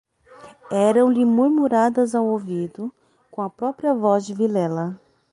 Eram-lhe murmuradas ao ouvido, com a própria voz de Vilela.